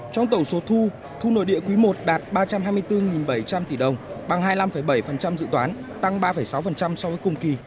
trong tổng số thu thu nội địa quý i đạt ba trăm hai mươi bốn bảy trăm linh tỷ đồng bằng hai mươi năm bảy dự toán tăng ba sáu so với cùng kỳ